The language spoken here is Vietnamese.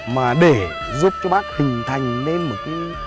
mà để giúp cho bác hình thành nên một cái